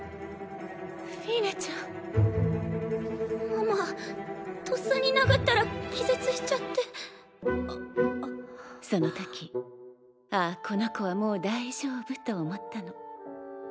ママとっさに殴ったら気絶しちゃってああっそのときああこの子はもう大丈夫と思ったの。